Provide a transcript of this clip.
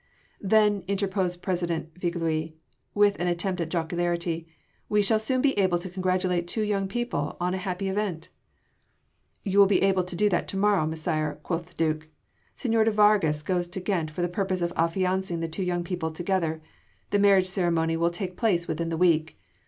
"Then," interposed President Viglius with an attempt at jocularity, "we shall soon be able to congratulate two young people on a happy event!" "You will be able to do that to morrow, Messire," quoth the Duke. "Señor de Vargas goes to Ghent for the purpose of affiancing the two young people together; the marriage ceremony will take place within the week.